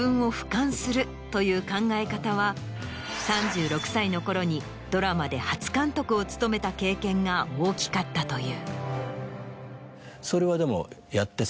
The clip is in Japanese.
という考え方は３６歳のころにドラマで初監督を務めた経験が大きかったという。